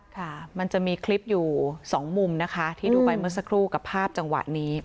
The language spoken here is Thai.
ค่ะมันจะมีคลิปอยู่สองมุมนะคะที่ดูไปเมื่อสักครู่กับภาพจังหวะนี้